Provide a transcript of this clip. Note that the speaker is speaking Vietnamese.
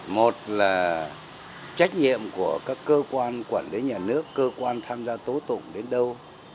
một là trách nhiệm của các cơ quan quản lý nhà nước cơ quan tham gia tố tụng đến đâu